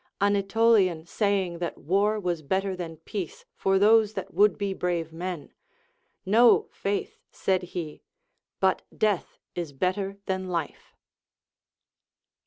An Aetolian saying that war was better than peace for those that would be brave men. No, faith, said he, but death is better than life.